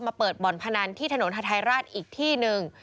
เปิดบ่อนพนันที่ถนนฮาทายราชอีกที่หนึ่ง